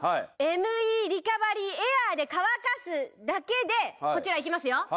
ＭＥリカバリーエアーで乾かすだけでこちらいきますよ